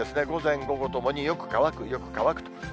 午前、午後ともによく乾く、よく乾くと。